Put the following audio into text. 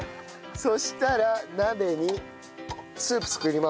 そしたら鍋にスープ作ります。